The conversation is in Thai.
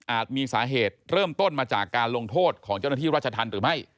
มีสาเหตุเริ่มต้นมาจากการลงโทษของเจ้าหน้าที่ราชธรรมหรือไม่